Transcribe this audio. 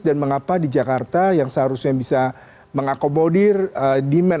dan mengapa di jakarta yang seharusnya bisa mengakomodir demand